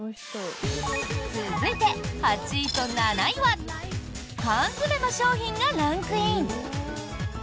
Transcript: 続いて、８位と７位は缶詰の商品がランクイン！